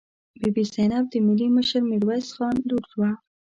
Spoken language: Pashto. بي بي زینب د ملي مشر میرویس خان لور وه.